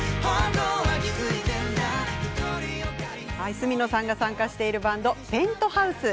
角野さんが参加しているバンド、Ｐｅｎｔｈｏｕｓｅ。